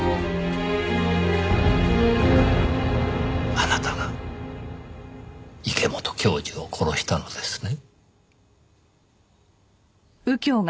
あなたが池本教授を殺したのですね？